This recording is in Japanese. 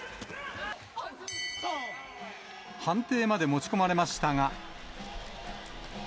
判定まで持ち込まれましたが。